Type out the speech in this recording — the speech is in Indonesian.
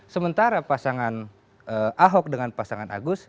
sementara pasangan ahok dengan pasangan agus